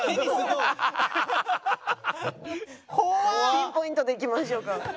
ピンポイントでいきましょうか。